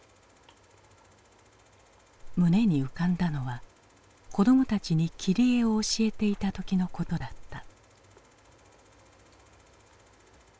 胸に浮かんだのは子どもたちに切り絵を教えていた時のことだった。